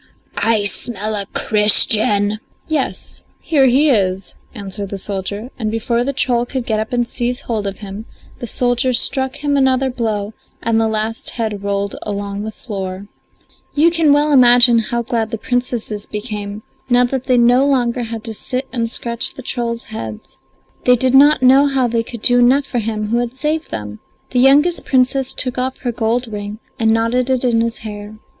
I smell a Christian." "Yes, here he is," answered the soldier, and before the troll could get up and seize hold of him the soldier struck him another blow and the last head rolled along the floor. You can well imagine how glad the Princesses became now that they no longer had to sit and scratch the trolls' heads; they did not know how they could do enough for him who had saved them. The youngest Princess took off her gold ring and knotted it in his hair.